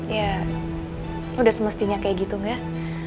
ya udah semestinya kayak gitu enggak